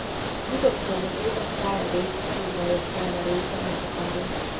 Nyitott köldökét a szájadék erőteljes pereme részben eltakarja.